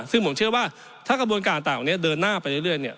ซึ่งผมเชื่อว่าถ้ากระบวนการต่างนี้เดินหน้าไปเรื่อยเนี่ย